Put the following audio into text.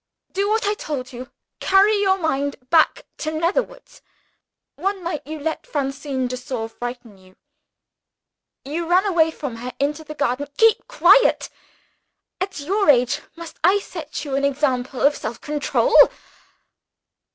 Do what I told you. Carry your mind back to Netherwoods. One night you let Francine de Sor frighten you. You ran away from her into the garden. Keep quiet! At your age, must I set you an example of self control?